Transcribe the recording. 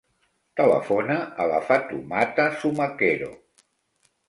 Telefona a la Fatoumata Zumaquero.